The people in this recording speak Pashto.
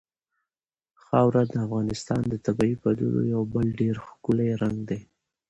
خاوره د افغانستان د طبیعي پدیدو یو بل ډېر ښکلی رنګ دی.